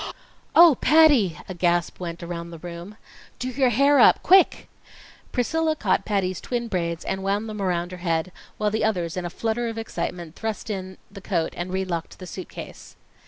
"Oh, Patty!" a gasp went around the room. "Do your hair up quick!" Priscilla caught Patty's twin braids and wound them around her head, while the others in a flutter of excitement, thrust in the coat and relocked the suit case.